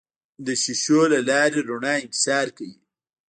د شیشو له لارې رڼا انکسار کوي.